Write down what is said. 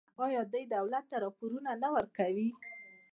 آیا دوی حکومت ته راپورونه نه ورکوي؟